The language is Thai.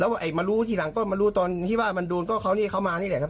มารู้ทีหลังก็มารู้ตอนที่ว่ามันโดนก็เขานี่เขามานี่แหละครับ